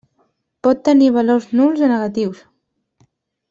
Pot tenir valors nuls o negatius.